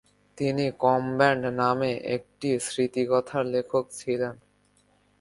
তিনি "কমব্যাট" নামে একটি স্মৃতিকথার লেখক ছিলেন।